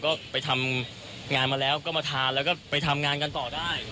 ก็ไปทำงานมาแล้วก็มาทานแล้วก็ไปทำงานกันต่อได้